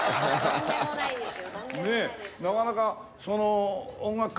とんでもないです。